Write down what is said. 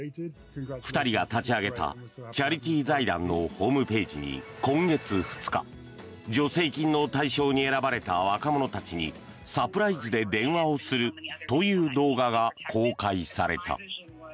２人が立ち上げたチャリティー財団のホームページに今月２日助成金の対象に選ばれた若者たちにサプライズで電話をするという動画が公開された。